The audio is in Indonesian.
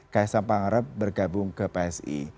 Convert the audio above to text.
kaisang pangarep bergabung ke psi